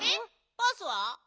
バースは？